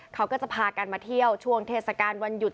เขาก็จะพากันมาเที่ยวช่วงเทศกาลวันหยุด